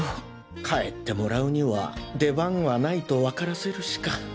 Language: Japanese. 帰ってもらうには出番はないとわからせるしか。